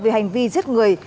vì hành vi giết người